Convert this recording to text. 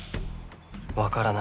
分からない。